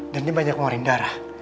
dan dia banyak ngeluarin darah